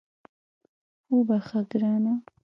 وبخښه ګرانه